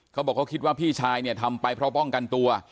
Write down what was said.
เขาบอกเขาคิดว่าพี่ชายเนี่ยทำไปเพราะป้องกันตัว